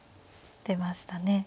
出ましたね。